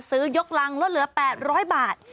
ซื้อยกรังลดเหลือ๘๐๐บาท